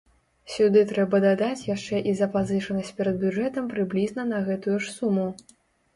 Сюды трэба дадаць яшчэ і запазычанасць перад бюджэтам прыблізна на гэтую ж суму.